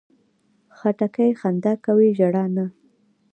خټکی خندا کوي، ژړا نه.